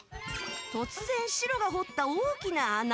突然、シロが掘った大きな穴。